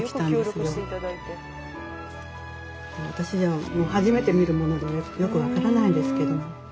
私じゃもう初めて見るものでよく分からないんですけど。